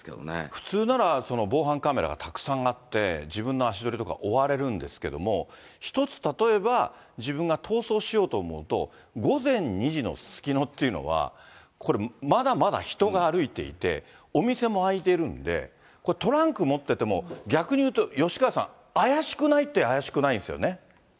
普通なら防犯カメラがたくさんあって、自分の足取りとか追われるんですけれども、一つ、例えば自分が逃走しようと思うと、午前２時のすすきのというのは、これ、まだまだ人が歩いていて、お店も開いているんで、これ、トランク持ってても逆にいうと吉川さん、怪しくないっていえば怪しくないんですね。